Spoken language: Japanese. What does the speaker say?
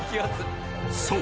［そう。